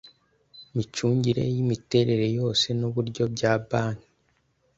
micungire y imiterere yose n uburyo bya banki